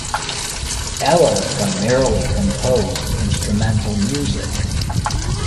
Eller primarily composed instrumental music.